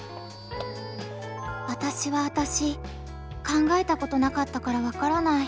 考えたことなかったからわからない。